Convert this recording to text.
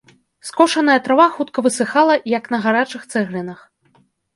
Скошаная трава хутка высыхала, як на гарачых цэглінах.